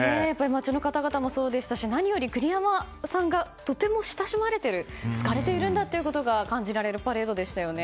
町の方々もそうでしたし何より栗山さんがとても親しまれている好かれているんだということが感じられるパレードでしたね。